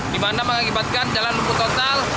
di mana mengakibatkan jalan lumpuh total